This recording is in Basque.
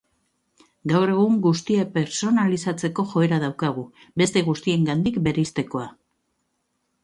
Gaur egun guztia pertsonalizatzeko joera daukagu, beste guztiengandik bereiztekoa.